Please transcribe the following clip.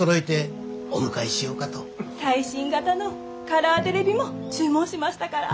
最新型のカラーテレビも注文しましたから。